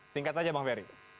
singkat saja bang ferry